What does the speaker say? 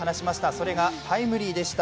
それがタイムリーでした。